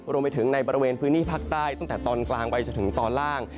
รวมไปถึงในบริเวณพื้นที่ภาคใต้ตั้งแต่ตอนกลางไปจนถึงตอนล่าง